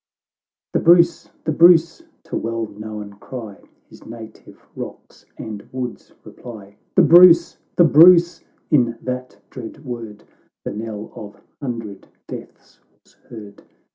XXIX "The Bruce, the Bruce !" to well known cry His native rocks and woods reply. " The Bruce, the Bruce !" in that dread word The knell of hundred deaths was heard.